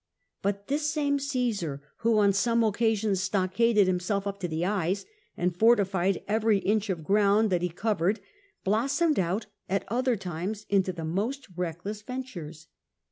But this same Omsar, who on some occasions stockaded himself up to the eyes, and fortified every inch of ground that he covered, blossomed out at other times into the most reckless ventures.